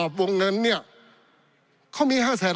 ปี๑เกณฑ์ทหารแสน๒